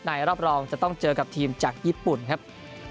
รอบรองจะต้องเจอกับทีมจากญี่ปุ่นครับ